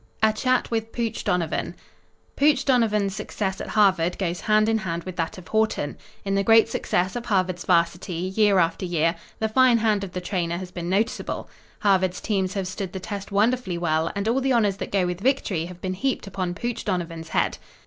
A CHAT WITH POOCH DONOVAN Pooch Donovan's success at Harvard goes hand in hand with that of Haughton. In the great success of Harvard's Varsity, year after year, the fine hand of the trainer has been noticeable. Harvard's teams have stood the test wonderfully well, and all the honors that go with victory have been heaped upon Pooch Donovan's head.